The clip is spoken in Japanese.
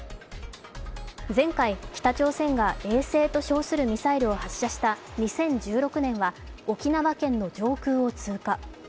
前回、北朝鮮が衛星と称するミサイルを発射した２０１６年は沖縄県の上空を通過。